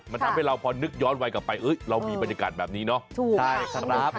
มาทำให้เรานึกย้อนไวกลับไปเรามีบรรยากาศแบบนี้เนาะ